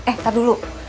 eh nanti dulu